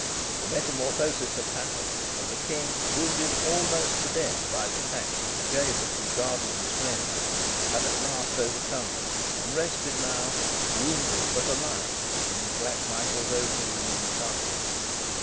The metamorphosis had happened; and the King, wounded almost to death by the attacks of the gaolers who guarded his friend, had at last overcome them, and rested now, wounded but alive, in Black Michael's own room in the Castle.